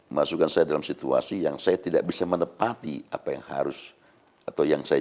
masukkan saya dalam situasi yang saya tidak bisa menepati apa yang harus atau yang saya